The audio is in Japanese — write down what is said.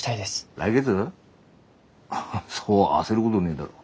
来月？そう焦ることねえだろ。